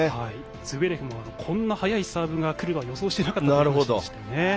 ズベレフもこんな速いサーブが来るのは予想していなかったと話していました。